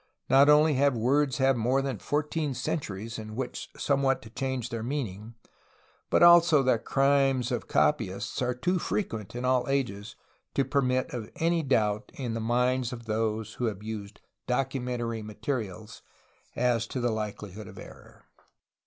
Not only have words had more than fourteen centuries in which some what to change their meaning, but also the " crimes'' of copy ists are too frequent in all ages to permit of any doubt in the minds of those who have used documentary materials as to the likelihood of error.